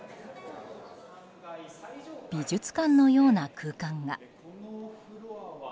美術館のような空間が。